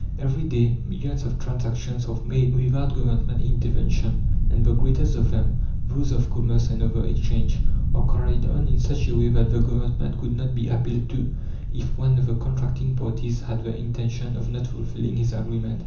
Every day millions of transactions are made without Government intervention, and the greatest of them those of commerce and of the Exchange are carried on in such a way that the Government could not be appealed to if one of the contracting parties had the intention of not fulfilling his agreement.